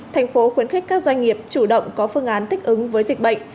thành phố khuyến khích các doanh nghiệp chủ động có phương án thích ứng với dịch bệnh